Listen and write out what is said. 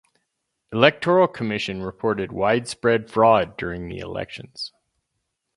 Electoral Commission reported widespread fraud during the elections.